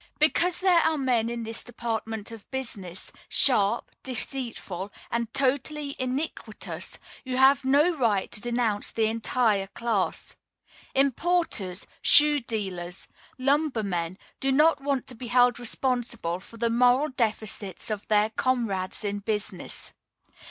Because there are men in this department of business, sharp, deceitful, and totally iniquitous, you have no right to denounce the entire class. Importers, shoe dealers, lumbermen, do not want to be held responsible for the moral deficits of their comrades in business.